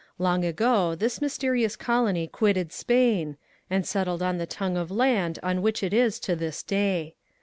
Long ago this mysterious colony quitted Spain, and settled on the tongue of land on which it is to this day.